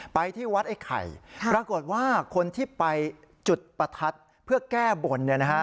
ไปที่วัดไอ้ไข่ปรากฏว่าคนที่ไปจุดประทัดเพื่อแก้บน